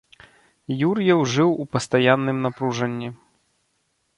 Юр'еў жыў у пастаянным напружанні.